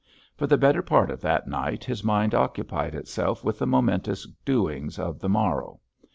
For the better part of that night his mind occupied itself with the momentous doings of the morrow.